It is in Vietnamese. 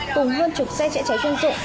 cùng hơn chục xe chế cháy dân dụng